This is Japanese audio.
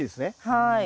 はい。